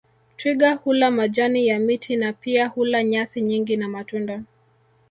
Twiga hula majani ya miti na pia hula nyasi nyingi na matunda